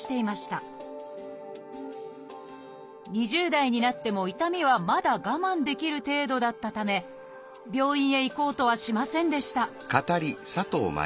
２０代になっても痛みはまだ我慢できる程度だったため病院へ行こうとはしませんでした